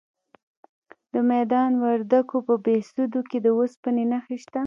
د میدان وردګو په بهسودو کې د اوسپنې نښې شته.